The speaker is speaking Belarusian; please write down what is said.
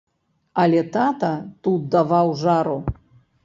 Але тата тут даваў жару.